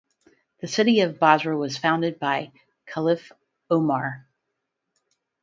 The city of Basra was founded by caliph Omar.